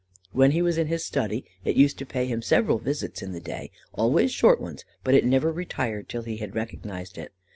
When he was in his study, it used to pay him several visits in the day, always short ones; but it never retired till he had recognized it.